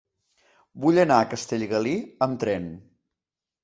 Vull anar a Castellgalí amb tren.